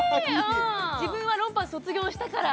自分はロンパース卒業したから。